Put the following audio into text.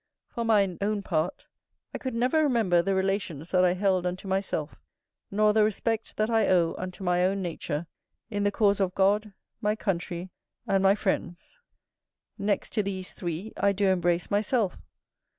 For mine own part, I could never remember the relations that I held unto myself, nor the respect that I owe unto my own nature, in the cause of God, my country, and my friends. Next to these three, I do embrace myself.